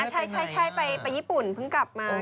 ใช่ไปญี่ปุ่นเพิ่งกลับมา